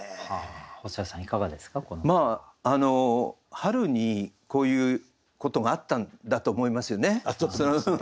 春にこういうことがあったんだと思いますよね。